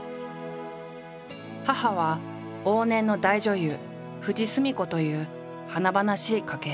母は往年の大女優富司純子という華々しい家系だ。